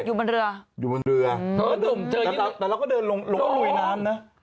อยู่บนเรืออยู่บนเรือแต่เราแต่เราก็เดินลงลุยน้ำนะ